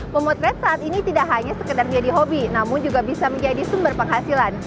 memotret saat ini tidak hanya sekedar menjadi hobi namun juga bisa menjadi sumber penghasilan